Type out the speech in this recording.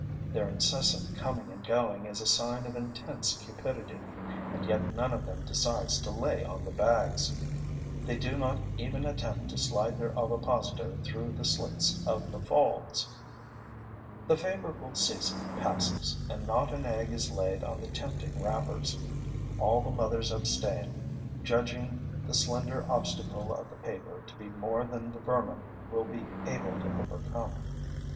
Their incessant coming and going is a sign of intense cupidity; and yet none of them decides to lay on the bags. They do not even attempt to slide their ovipositor through the slits of the folds. The favorable season passes and not an egg is laid on the tempting wrappers. All the mothers abstain, judging the slender obstacle of the paper to be more than the vermin will be able to overcome.